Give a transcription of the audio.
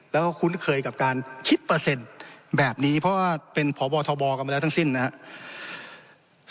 แล้วก็คุ้นเคยกับการคิดเปอร์เซ็นต์แบบนี้เพราะว่าเป็นพบทบกันมาแล้วทั้งสิ้นนะครับ